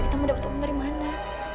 kita mau dapat dari mana